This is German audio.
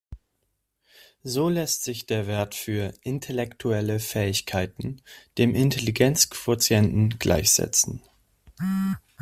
So lässt sich der Wert für „intellektuelle Fähigkeiten“ dem Intelligenzquotienten gleichsetzen.